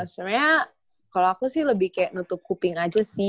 soalnya kalau aku sih lebih kayak nutup kuping aja sih